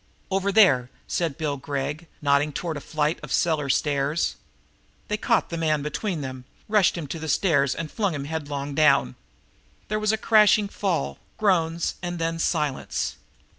"Over there!" said Bill Gregg, nodding toward a flight of cellar steps. They caught the man between them, rushed him to the steps and flung him headlong down. There was a crashing fall, groans and then silence.